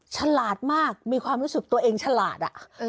ฉลาดมากมีความรู้สึกตัวเองฉลาด